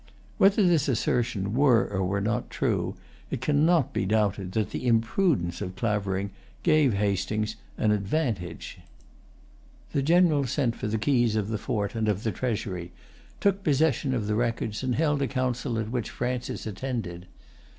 Whether this assertion were or were not true, it cannot be doubted that the imprudence of Clavering gave Hastings an advantage. The General sent for the keys of the fort and of the treasury, took possession of the records, and held a council at which Francis attended.